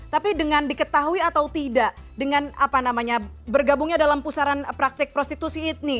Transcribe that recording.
tapi dengan diketahui atau tidak dengan bergabungnya dalam pusaran praktik prostitusi etni